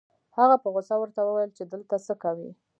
هغه په غصه ورته وويل چې دلته څه کوې؟